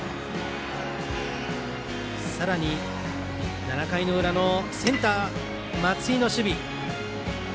さらに、７回の裏のセンター松井の守備。